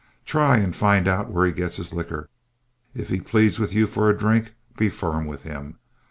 Try and find out where he gets his liquor. If he pleads with you for a drink, be firm with him.